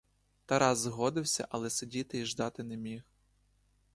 Тарас згодився, але сидіти й ждати не міг.